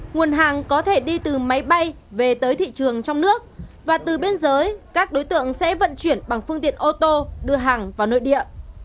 nguồn hàng có thể đi từ máy bay về tới thị trường trong nước và từ biên giới các đối tượng sẽ vận chuyển bằng phương tiện ô tô đưa hàng vào nội địa